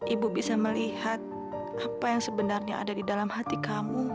ibu bisa melihat apa yang sebenarnya ada di dalam hati kamu